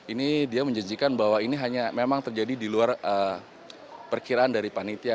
ini dia menjanjikan bahwa ini hanya memang terjadi di luar perkiraan dari panitia